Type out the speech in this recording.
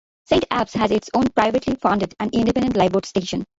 Saint Abbs has its own privately funded and independent Lifeboat Station.